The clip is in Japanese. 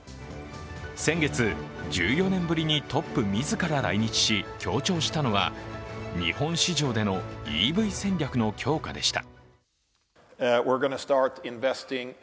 先月１４年ぶり、トップ自ら来日し、強調したのは日本市場でのＥＶ戦略の強化でした。